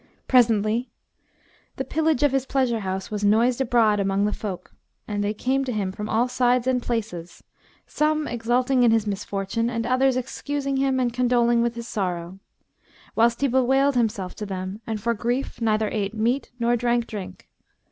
Presently the pillage of his pleasure house was noised abroad among the folk, and they came to him from all sides and places, some exulting in his misfortune and others excusing him and condoling with his sorrow; whilst he bewailed himself to them and for grief neither ate meat nor drank drink.